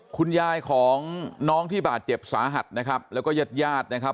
คุณยายของน้องที่บาดเจ็บสาหัสนะครับแล้วก็ญาติญาตินะครับ